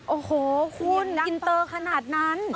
โอ้โหคุณอินเตอร์ขนาดนั้น